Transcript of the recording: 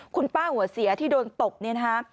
คุณป้าหัวเสียที่โดนตบเนี่ยนะคะ